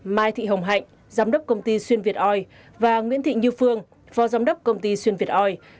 mai thị hồng hạnh giám đốc công ty xuyên việt oi và nguyễn thị như phương phó giám đốc công ty xuyên việt oi